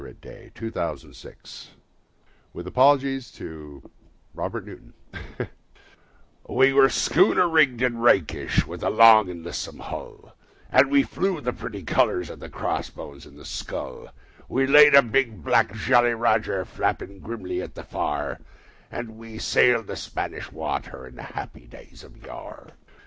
A BALLAD OF JOHN SILVER 7i A BALLAD OF JOHN SILVER We were schooner rigged and rakish, with a long and lissome hull, And we flew the pretty colours of the cross bones and the skull; We'd a big black Jolly Roger flapping grimly at the fore, And we sailed the Spanish Water in the happy days of yore.